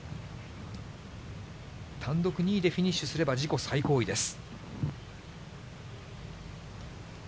単独２位でフィニッシュすれば、自己最高位です。